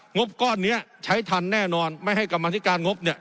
บก้อนนี้ใช้ทันแน่นอนไม่ให้กรรมธิการงบเนี่ย